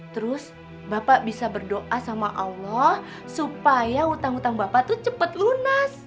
terus bapak bisa berdoa sama allah supaya utang utang bapak tuh cepat lunas